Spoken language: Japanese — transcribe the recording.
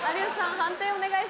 判定お願いします。